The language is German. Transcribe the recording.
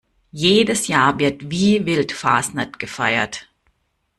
Jedes Jahr wird wie wild Fasnet gefeiert.